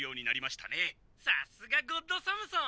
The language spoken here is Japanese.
・さすがゴッドサムソン！